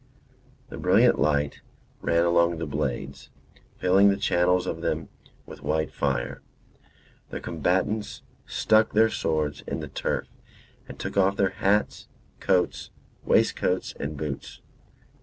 The brilliant light ran along the blades, filling the channels of them with white fire; the combatants stuck their swords in the turf and took off their hats, coats, waistcoats, and boots.